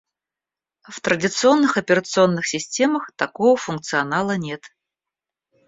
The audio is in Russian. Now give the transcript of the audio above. В традиционных операционных системах такого функционала нет